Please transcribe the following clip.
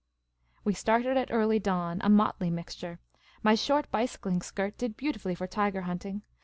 " We started at early dawn, a motley mixture. My short bicycling skirt did beautifully for tiger hunting.